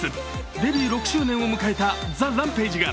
デビュー６周年を迎えたＴＨＥＲＡＭＰＡＧＥが